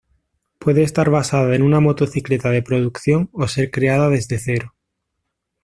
Puede estar basada en una motocicleta de producción o ser creada desde cero.